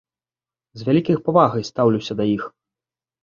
З вялікай павагай стаўлюся да іх.